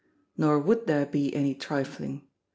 Nor would there be any trifling.